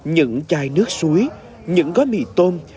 những chai nước suối những gói mì tôm